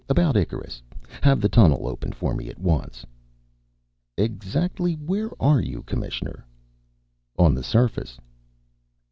About Icarus. Have the tunnel opened for me at once." "Exactly where are you, Commissioner?" "On the surface."